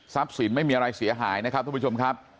สินไม่มีอะไรเสียหายนะครับทุกผู้ชมครับ